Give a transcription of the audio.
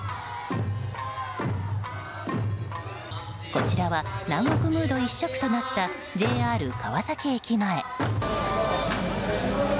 こちらは南国ムード一色となったＪＲ川崎駅前。